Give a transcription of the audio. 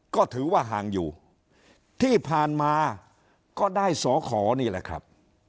ก็ถือว่าห่างอยู่ที่ผ่านมาก็ได้สอขอนี่แหละครับ